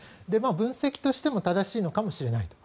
分析としても正しいのかもしれないと。